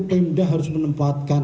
pemda harus menempatkan